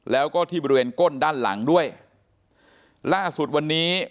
แล้วก็ที่บริเวณก้นด้านหลังด้วยล่าสุดวันนี้